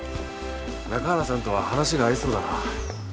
中原さんとは話が合いそうだな。